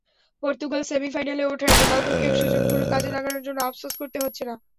Portugal সেমিফাইনালে ওঠায় রোনালদোকেও সুযোগগুলো কাজে লাগানোর জন্য আফসোস করতে হচ্ছে না।